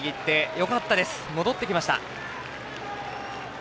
よかったです、戻ってきました。